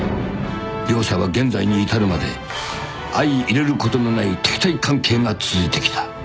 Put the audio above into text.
［両者は現在に至るまで相いれることのない敵対関係が続いてきた］